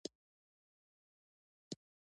وحشي حیوانات د افغان تاریخ په کتابونو کې ذکر شوي دي.